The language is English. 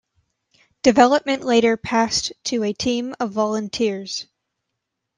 Development later passed to a team of volunteers.